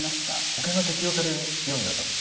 保険が適用されるようになったと。